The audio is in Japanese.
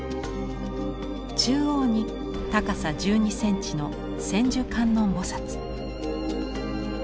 中央に高さ１２センチの千手観音菩。